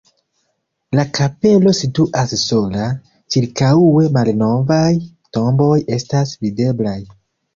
La kapelo situas sola, ĉirkaŭe malnovaj tomboj estas videblaj.